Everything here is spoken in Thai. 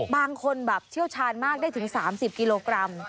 บางคนแบบเชี่ยวชาญมากได้ถึง๓๐กิโลกรัม